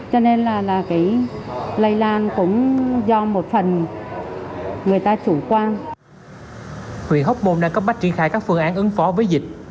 huyện hóc môn đang cấp bách triển khai các phương án ứng phó với dịch